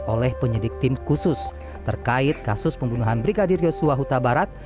oleh penyidik tim khusus terkait kasus pembunuhan brigadir yosua huta barat